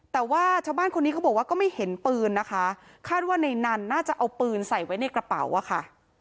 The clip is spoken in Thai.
แต่ว่าชาวบ้านคนนี้เขาบอกว่าก็ไม่เห็นปืนนะคะคาดว่าในนั้นน่าจะเอาปืนใส่ไว้ในกระเป๋าอะค่ะ